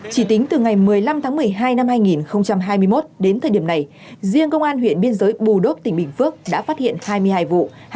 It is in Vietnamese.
chỉ tính từ ngày một mươi năm tháng một mươi hai năm hai nghìn hai mươi một đến thời điểm này riêng công an huyện biên giới bù đốp tỉnh bình phước đã phát hiện hai mươi hai vụ